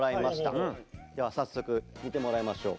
では早速見てもらいましょう。